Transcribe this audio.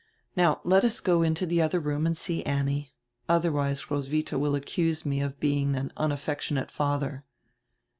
Now let us go into the other room and see Annie; otherwise Roswitiia will accuse me of being an unaf fection ate father."